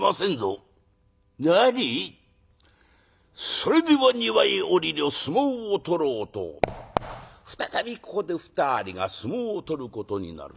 「それでは庭へ下りる相撲を取ろう」と再びここで２人が相撲を取ることになる。